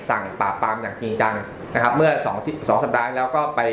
ปราบปรามอย่างจริงจังนะครับเมื่อสองสองสัปดาห์แล้วก็ไป